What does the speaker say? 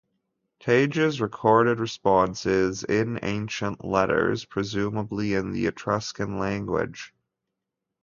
Tages' recorded response is "in ancient letters", presumably in the Etruscan language.